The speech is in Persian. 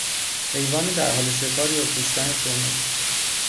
حیوان در حال شکار یا کشتن طعمه